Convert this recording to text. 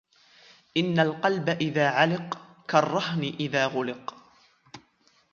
إنَّ الْقَلْبَ إذَا عَلِقَ كَالرَّهْنِ إذَا غُلِقَ